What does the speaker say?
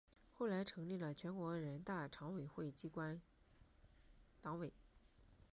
后来成立了全国人大常委会机关党委。